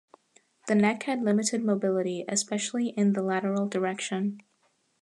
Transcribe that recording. The neck had limited mobility, especially in the lateral direction.